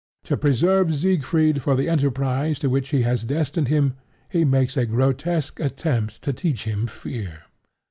To preserve Siegfried for the enterprise to which he has destined him he makes a grotesque attempt to teach him fear.